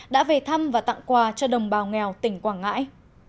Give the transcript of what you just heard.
đã về thăm và tặng quà cho đồng bào nghèo tỉnh quảng ngãi